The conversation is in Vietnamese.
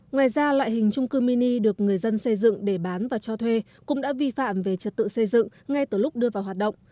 ngoài ra loại hình trung cư mini được người dân xây dựng để bán và cho thuê cũng đã vi phạm về trật tự xây dựng ngay từ lúc đưa vào hoạt động